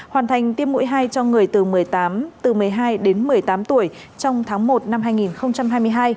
hoàn thành tiêm mũi hai cho người từ một mươi tám từ một mươi hai đến một mươi tám tuổi trong tháng một năm hai nghìn hai mươi hai